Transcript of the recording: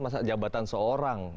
masa jabatan seorang